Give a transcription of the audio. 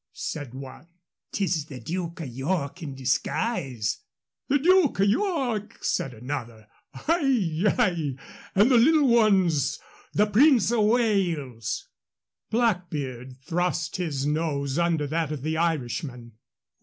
"Pst!" said one; "'tis the Duke o' York in dishguise." "The Duke o' York," said another. "Ai! yi! an' the little one's the Prince o' Wales." Blackbeard thrust his nose under that of the Irishman.